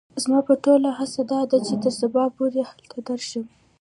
زما ټوله هڅه دا ده چې تر سبا پوري هلته درشم.